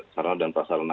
sarana dan pasaruna